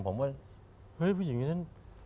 ผมว่าเฮ้ยผู้หญิงนั้น